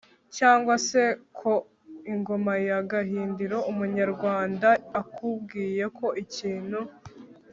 cyangwa se ku ngoma ya gahindiro. umunyarwanda akubwiye ko ikintu